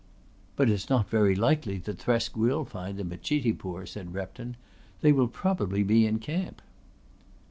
"But it's not very likely that Thresk will find them at Chitipur," said Repton. "They will probably be in camp."